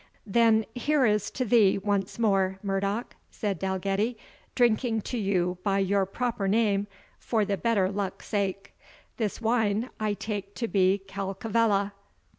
"Then here is to thee once more, Murdoch," said Dalgetty, "drinking to you by your proper name for the better luck sake. This wine I take to be Calcavella.